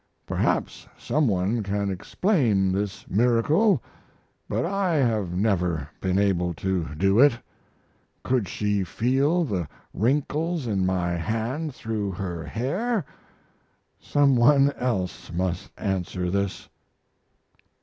Perhaps some one can explain this miracle, but I have never been able to do it. Could she feel the wrinkles in my hand through her hair? Some one else must answer this.